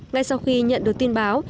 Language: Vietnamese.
ngay sau khi nhận được tin báo